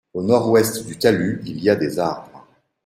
Au nord-ouest du talus il y a des arbres.